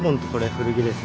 古着です。